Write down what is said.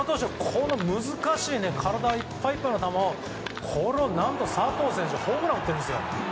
この難しい体いっぱいのボールを佐藤選手、ホームランを打ってるんですよ。